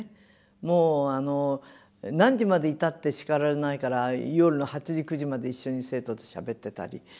もう何時までいたって叱られないから夜の８時９時まで一緒に生徒としゃべってたり。